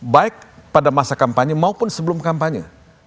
baik pada masa kampanye maupun sebelum kampanye